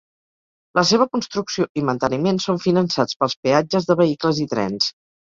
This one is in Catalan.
La seva construcció i manteniment són finançats pels peatges de vehicles i trens.